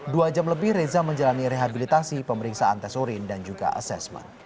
dua jam lebih reza menjalani rehabilitasi pemeriksaan tes urin dan juga asesmen